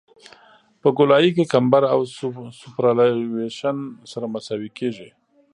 په ګولایي کې کمبر او سوپرایلیویشن سره مساوي کیږي